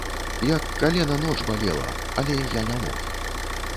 Як калена ноч балела, але я не мог.